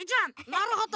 なるほど。